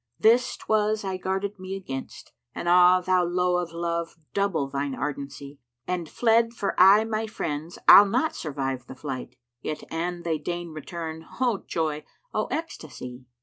this 'twas I guarded me against! * And ah, thou lowe of Love double thine ardency![FN#111] An fled for aye my friends I'll not survive the flight; * Yet an they deign return, Oh joy! Oh ecstacy!